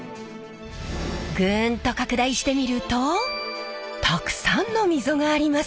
グンと拡大してみるとたくさんの溝があります。